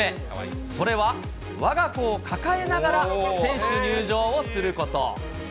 それはわが子を抱えながら選手入場をすること。